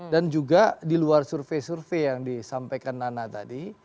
dan juga di luar survei survei yang disampaikan nana tadi